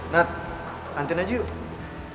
nat kantin aja yuk